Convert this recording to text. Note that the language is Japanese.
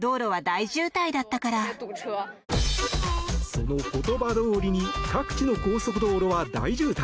その言葉どおりに各地の高速道路は大渋滞。